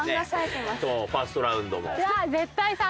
ファーストラウンドも。